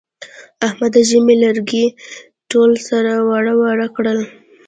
احمد د ژمي لرګي ټول سره واړه واړه کړل.